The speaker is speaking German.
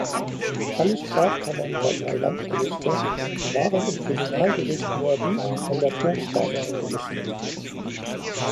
Alle Strafkammern der drei Landgerichte waren im Kriminalgericht Moabit an der Turmstraße, eingerichtet.